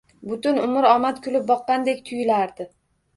Butun umr omad kulib boqqandek tuyulardi.